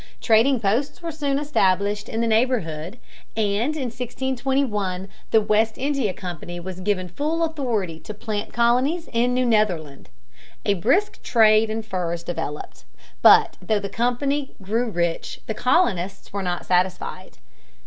Trading posts were soon established in the neighborhood, and in 1621 the West India Company was given full authority to plant colonies in New Netherland. A brisk trade in furs developed, but though the Company grew rich, the colonists were not satisfied.